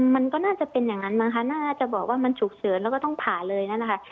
มันก็น่าจะเป็นอย่างนั้นมั้งคะน่าจะบอกว่ามันฉุกเฉินแล้วก็ต้องผ่าเลยนั่นนะคะ